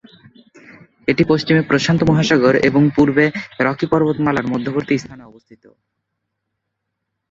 এটি পশ্চিমে প্রশান্ত মহাসাগর এবং পূর্বে রকি পর্বতমালার মধ্যবর্তী স্থানে অবস্থিত।